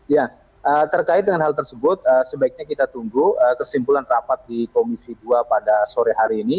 ya terkait dengan hal tersebut sebaiknya kita tunggu kesimpulan rapat di komisi dua pada sore hari ini